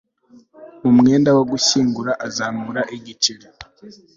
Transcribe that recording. mu mwenda wo gushyingura azamura igiceri